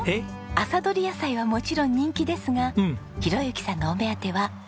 朝どり野菜はもちろん人気ですが宏幸さんのお目当ては今どり野菜。